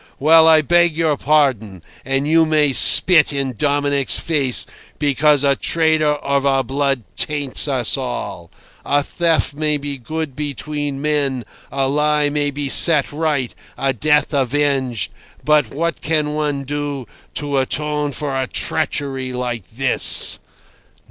Well, I beg your pardon; and you may spit in Dominic's face because a traitor of our blood taints us all. A theft may be made good between men, a lie may be set right, a death avenged, but what can one do to atone for a treachery like this?